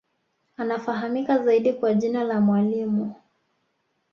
Anafahamika zaidi kwa jina la Mwalimu